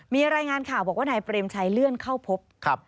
มีรายงานข่าวบอกว่านายเปรมชัยเลื่อนเข้าพบ